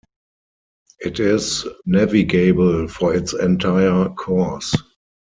It is navigable for its entire course.